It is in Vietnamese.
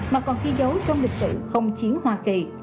mà còn ghi dấu trong lịch sử không chiến hoa kỳ